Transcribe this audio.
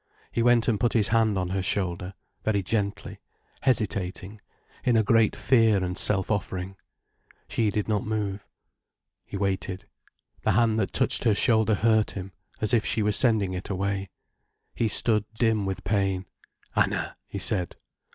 He went and put his hand on her shoulder, very gently, hesitating, in a great fear and self offering. She did not move. He waited. The hand that touched her shoulder hurt him, as if she were sending it away. He stood dim with pain. "Anna," he said.